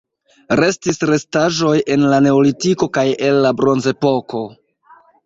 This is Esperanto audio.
Restis restaĵoj el la neolitiko kaj el la bronzepoko.